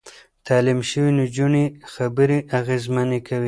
تعليم شوې نجونې خبرې اغېزمنې کوي.